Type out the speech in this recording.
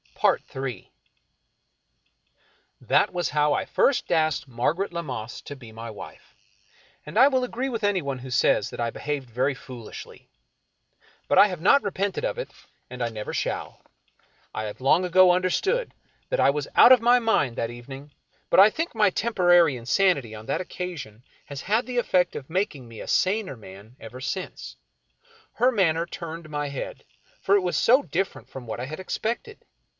Ill That was how I first asked Margaret Lammas to be my wife, and I will agree with anyone who says I behaved very fooHshly. But I have not repented of it, and I never shall. I have long ago understood that I was out of my mind that evening, but I think my temporary insanity on that occasion has had the effect of making me a saner man ever since. Her manner turned my head, for it was so different from what I had expected.